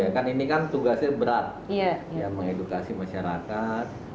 kan ini kan tugasnya berat ya mengedukasi masyarakat